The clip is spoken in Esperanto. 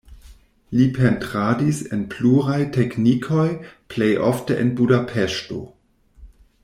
Li pentradis en pluraj teknikoj, plej ofte en Budapeŝto.